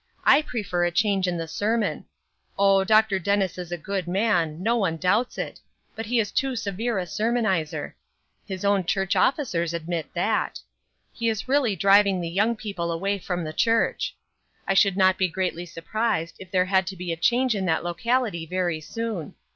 I prefer a change in the sermon. Oh, Dr. Dennis is a good man; no one doubts it; but he is too severe a sermonizer. His own church officers admit that. He is really driving the young people away from the church. I should not be greatly surprised if there had to be a change in that locality very soon.